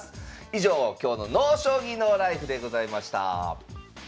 以上今日の「ＮＯ将棋ＮＯＬＩＦＥ」でございました。